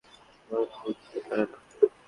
আমার ভুল হতে পারে না!